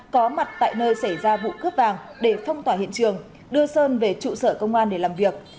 có mặt tại nơi xảy ra vụ cướp vàng để phong tỏa hiện trường đưa sơn về trụ sở công an để làm việc